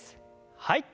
はい。